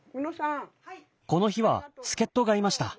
この日は助っとがいました。